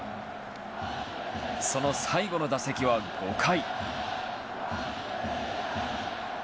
その最後の打席は５回。